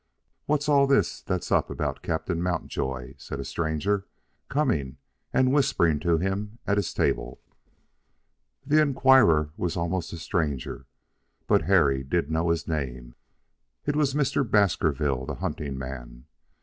"What's all this that's up about Captain Mountjoy?" said a stranger, coming and whispering to him at his table. The inquirer was almost a stranger, but Harry did know his name. It was Mr. Baskerville, the hunting man.